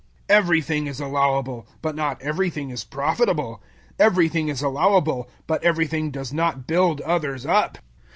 010:023 Everything is allowable, but not everything is profitable. Everything is allowable, but everything does not build others up.